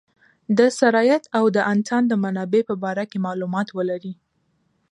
د سرایت او د انتان د منابع په باره کې معلومات ولري.